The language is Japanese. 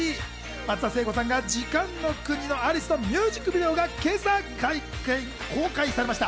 松田聖子さんの『時間の国のアリス』のミュージックビデオが今朝公開されました。